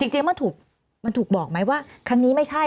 จริงแล้วมันถูกบอกไหมว่าครั้งนี้ไม่ใช่